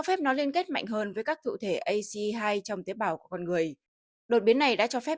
thể liên kết mạnh hơn với các thụ thể ace hai trong tế bào của con người đột biến này đã cho phép